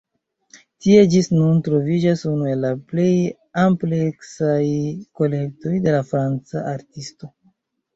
Tie ĝis nun troviĝas unu el la plej ampleksaj kolektoj de la franca artisto.